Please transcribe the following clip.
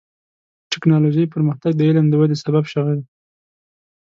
د ټکنالوجۍ پرمختګ د علم د ودې سبب شوی دی.